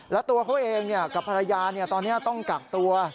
แล้วตัวเขาเองกับภรรยาตอนนี้ต้องกักตัว